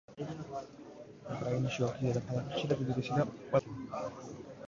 უკრაინაში ოლქის დედაქალაქი ხშირად უდიდესი და ყველაზე განვითარებული ქალაქია.